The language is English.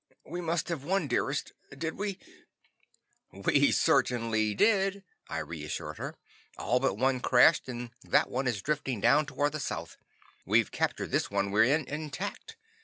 "We must have won, dearest, did we?" "We most certainly did," I reassured her. "All but one crashed and that one is drifting down toward the south; we've captured this one we're in intact.